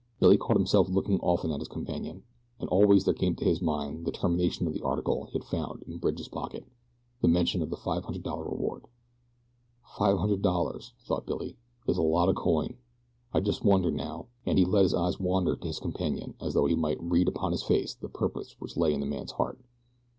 Billy caught himself looking often at his companion, and always there came to his mind the termination of the article he had found in Bridge's pocket the mention of the five hundred dollar reward. "Five hundred dollars," thought Billy, "is a lot o' coin. I just wonder now," and he let his eyes wander to his companion as though he might read upon his face the purpose which lay in the man's heart.